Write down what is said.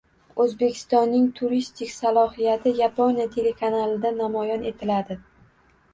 O‘zbekistonning turistik salohiyati Yaponiya telekanalida namoyish etiladi